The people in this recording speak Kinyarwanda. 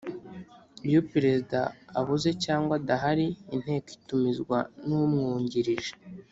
Iyo Perezida abuze cyangwa adahari inteko itumizwa n’umwungirije